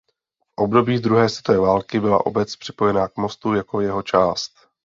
V období druhé světové války byla obec připojena k Mostu jako jeho část.